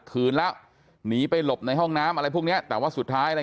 คืนแล้วหนีไปหลบในห้องน้ำอะไรพวกเนี้ยแต่ว่าสุดท้ายอะไร